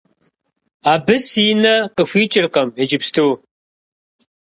Абы си нэ къыхуикӀыркъым иджыпсту.